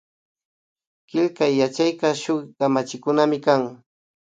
Killkay yachayka shuk kamachikunamikan